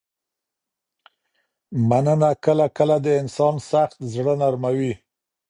مننه کله کله د انسان سخت زړه نرموي.